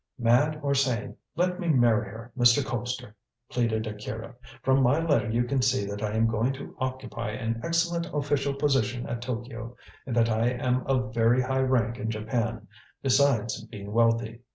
"Mad or sane, let me marry her, Mr. Colpster!" pleaded Akira. "From my letter you can see that I am going to occupy an excellent official position at Tokio, and that I am of very high rank in Japan, besides being wealthy.